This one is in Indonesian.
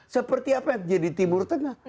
seperti apa jadi timur tengah